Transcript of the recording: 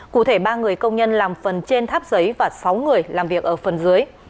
cụ thể ba người công nhân làm phần trên tháp giấy và sáu người làm việc ở phần dưới